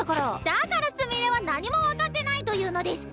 だからすみれは何も分かってないというのデス！